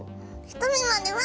ひとみ○は。